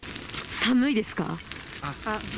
寒いです。